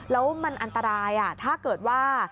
แล้วมันอันตรายถ้าเกิดว่า